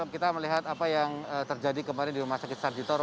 kita melihat apa yang terjadi kemarin di rumah sakit sarjitoro